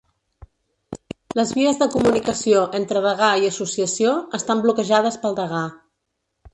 Les vies de comunicació entre degà i associació estan bloquejades pel degà